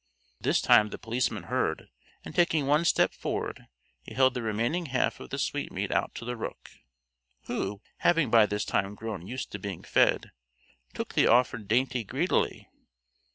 This time the policeman heard, and taking one step forward, he held the remaining half of the sweetmeat out to the rook, who, having by this time grown used to being fed, took the offered dainty greedily.